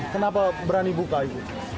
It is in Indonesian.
kenapa berani buka itu